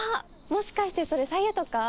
もしかしてそれ白湯とか？